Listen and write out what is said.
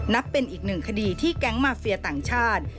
นับเป็นอีกหนึ่งคดีที่แก๊งมาเฟียต่างชาติ